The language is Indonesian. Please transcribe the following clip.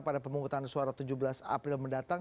pada pemungutan suara tujuh belas april mendatang